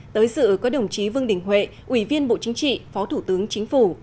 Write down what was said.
tới sự có đồng chí vương đình huệ ủy viên bộ chính trị phó thủ tướng chính phủ